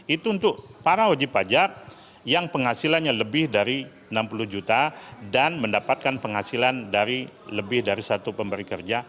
itu untuk para wajib pajak yang penghasilannya lebih dari enam puluh juta dan mendapatkan penghasilan dari lebih dari satu pemberi kerja